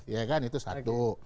ya kan itu satu